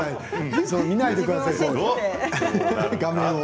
画面を見ないでください。